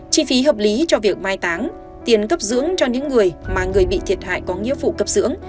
chi phí hợp lý cho việc mai táng tiền cấp dưỡng cho những người mà người bị thiệt hại có nghĩa phụ cấp dưỡng